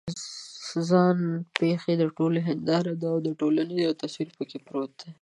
ځان پېښې د ټولنې هنداره ده او د ټولنې یو تصویر پکې پروت دی.